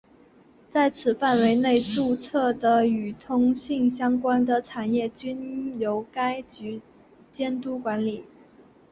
在此范围内注册的与通信相关的产业均由该局监督管理。